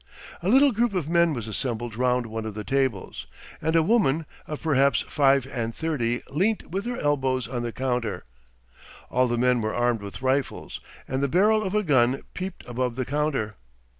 A little group of men was assembled round one of the tables, and a woman of perhaps five and thirty leant with her elbows on the counter. All the men were armed with rifles, and the barrel of a gun peeped above the counter.